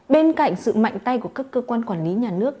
bên cạnh sự mạnh tay của các cơ quan quản lý nhà nước